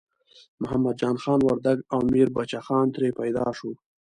محمد جان خان وردګ او میربچه خان ترې پیدا شو.